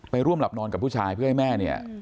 ร่วมหลับนอนกับผู้ชายเพื่อให้แม่เนี่ย